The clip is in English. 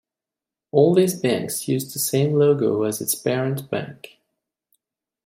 All these banks used the same logo as its parent bank.